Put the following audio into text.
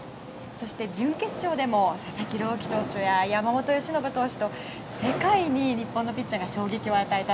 そして準決勝でも佐々木朗希投手が山本由伸投手と世界に日本のピッチャーが衝撃を与えた。